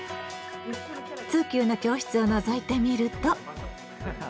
通級の教室をのぞいてみると。